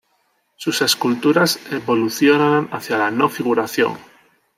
Sus esculturas evolucionan hacia la no figuración.